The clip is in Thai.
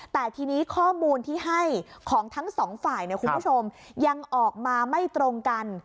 แต่ทีนี้ข้อมูลที่ให้ของทั้งสองฝ่ายคุณผู้ชมยังออกมาไม่ตรงกัน